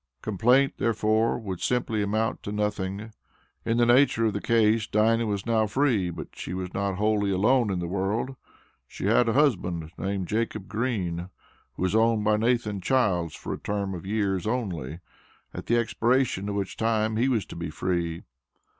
Complaint, therefore, would simply amount to nothing. In the nature of the case Dinah was now free, but she was not wholly alone in the world. She had a husband, named Jacob Green, who was owned by Nathan Childs for a term of years only, at the expiration of which time he was to be free.